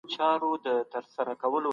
له څو خوښيو او دردو راهيسي